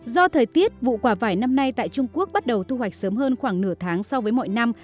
do thời tiết vụ quả vải năm nay tại trung quốc bắt đầu thu hoạch sớm hơn khoảng nửa tháng so với mọi năm